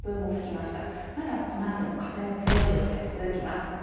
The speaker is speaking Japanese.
まだこのあとも風の強い状態が続きます。